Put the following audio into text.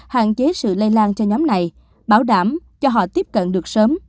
hạn chế sự lây lan cho nhóm này bảo đảm cho họ tiếp cận được sớm